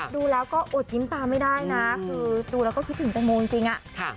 ดูแล้วก็อดยิ้มตามไม่ได้นะคือดูแล้วก็คิดถึงแตงโมจริงอะ